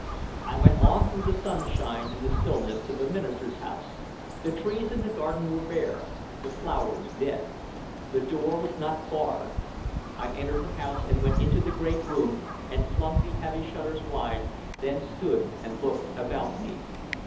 I went on through the sunshine and the stillness to the minister's house. The trees in the garden were bare, the flowers dead. The door was not barred. I entered the house and went into the great room and flung the heavy shutters wide, then stood and looked about me.